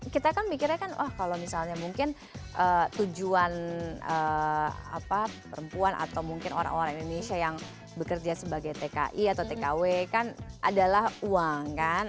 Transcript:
kita kan mikirnya kan wah kalau misalnya mungkin tujuan perempuan atau mungkin orang orang indonesia yang bekerja sebagai tki atau tkw kan adalah uang kan